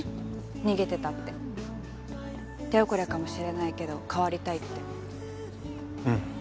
逃げてたって手遅れかもしれないけど変わりたいってうん